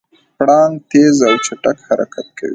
پړانګ تېز او چټک حرکت کوي.